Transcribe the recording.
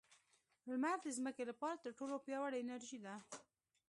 • لمر د ځمکې لپاره تر ټولو پیاوړې انرژي ده.